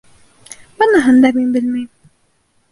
Быныһын да мин белмәйем.